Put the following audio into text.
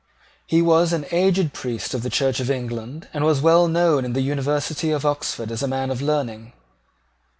He was an aged priest of the Church of England, and was well known in the University of Oxford as a man of learning.